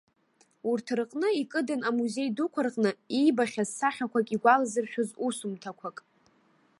Урҭ рҟны икыдын амузеи дуқәа рҟны иибахьаз сахьақәак игәалазыршәоз усумҭақәак.